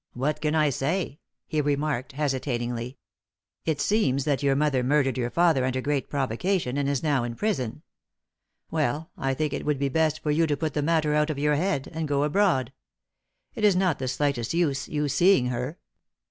"What can I say?" he remarked, hesitatingly. "It seems that your mother murdered your father under great provocation, and is now in prison. Well, I think it would be best for you to put the matter out of your head, and go abroad. It is not the slightest use you seeing her."